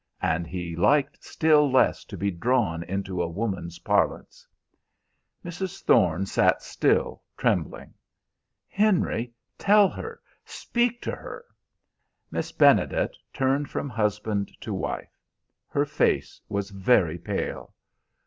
And he liked still less to be drawn into a woman's parlance. Mrs. Thorne sat still, trembling. "Henry, tell her! Speak to her!" Miss Benedet turned from husband to wife. Her face was very pale.